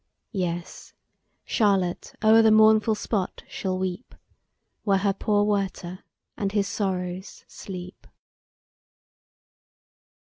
Yes Charlotte o'er the mournful spot shall weep, Where her poor Werter and his sorrows sleep.